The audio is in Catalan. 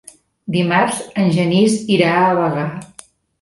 Dimarts en Genís irà a Bagà.